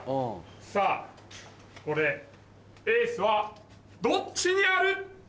さぁエースはどっちにある？